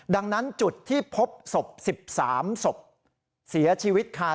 ดังนั้นจุดที่พบศพ๑๓ศพเสียชีวิตค่ะ